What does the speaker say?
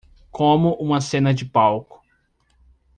Como uma cena de palco